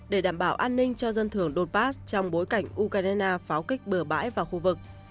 để đảm bảo an ninh cho dân thường dopas trong bối cảnh ukraine pháo kích bừa bãi vào khu vực